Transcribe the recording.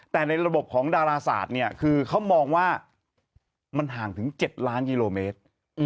แต่ในระบบของดาราศาสตร์เนี่ยคือเขามองว่ามันห่างถึง๗ล้านกิโลเมตร